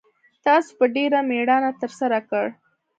تاسو په ډېره میړانه ترسره کړ